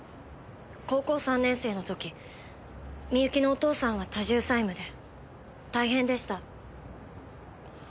高校３年生の時美由紀のお父さんは多重債務で大変でした。